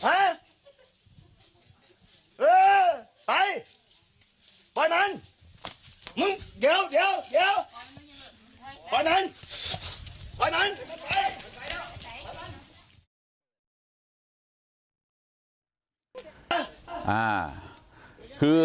ไปปล่อยมันมึงเดี๋ยวปล่อยมันปล่อยมันไป